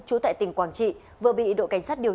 trú tại tỉnh quảng trị vừa bị đội cảnh sát điều